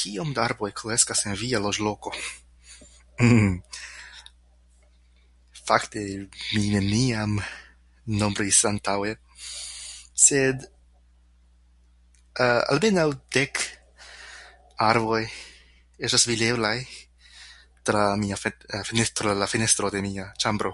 Kiom da arboj kreskas en via loĝloko? [disfluency|Mmm...] fakte mi neniam nombris antaŭe, sed [disfluency|a] almenaŭ dek arboj estas videblaj tra mia fet... fenestro la fenestro de mia ĉambro.